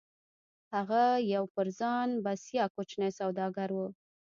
هغه يو پر ځان بسيا کوچنی سوداګر و.